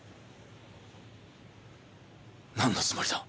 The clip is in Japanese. なんのつもりだ？